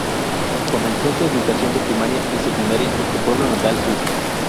Comenzó su educación de primaria y secundaria en su pueblo natal Susa.